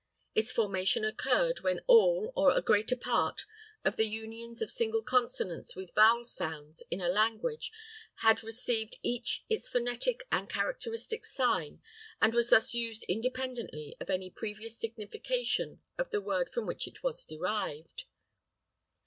Its formation occurred when all, or a greater part, of the unions of single consonants with vowel sounds in a language had received each its phonetic and characteristic sign and was thus used independently of any previous signification of the word from which it was derived.